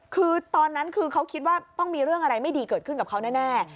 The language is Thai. คือตอนนั้นคือเขาคิดว่าต้องมีเรื่องอะไรไม่ดีเกิดขึ้นกับเขาแน่